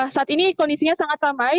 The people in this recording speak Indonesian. saat ini kondisinya sangat ramai